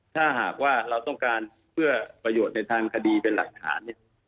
ถ้าหากว่าเราต้องการเพื่อประโยชน์ในทางคดีเป็นหลักฐานเนี่ย